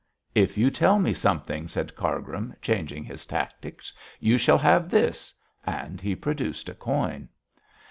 'If you tell me something,' said Cargrim, changing his tactics, 'you shall have this,' and he produced a coin.